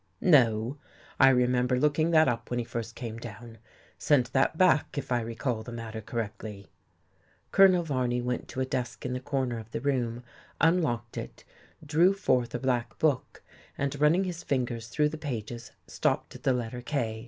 "No, I remember looking that up when he first came down. Sent that back, if I recall the matter correctly." Colonel Varney went to a desk in the corner of the room, unlocked it, drew forth a black book, and running his fingers through the pages stopped at the letter K.